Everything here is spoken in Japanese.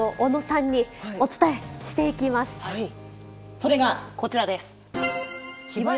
それがこちらです。